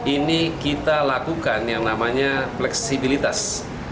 ini kita lakukan yang namanya fleksibilitas